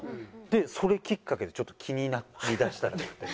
それきっかけでちょっと気になりだしたらしくて。